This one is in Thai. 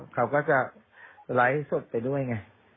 เขาก็จะไลฟ์สดไปด้วยไง